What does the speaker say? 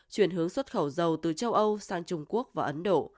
chuyển hướng xuất khẩu dầu từ châu âu sang trung quốc và ấn độ